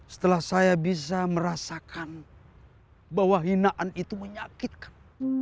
setelah saya bisa merasakan bahwa hinaan itu menyakitkan